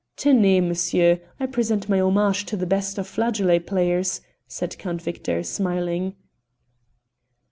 "Tenez! monsieur; I present my homages to the best of flageolet players," said Count Victor, smiling.